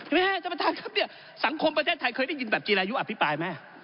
แม่ท่านประธานครับเนี่ยสังคมประเทศไทยเคยได้ยินแบบจีรายุอภิปรายไหม